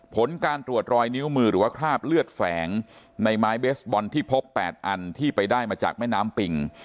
ผลการตรวจรอยนิ้วมือหรือว่าคราบเลือดแฝงในไม้เบสบอลที่พบ๘อันที่ไปได้มาจากแม่น้ำปิ่ง